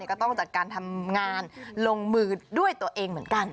ก็ต้องจัดการทำงานลงมือด้วยตัวเองเหมือนกัน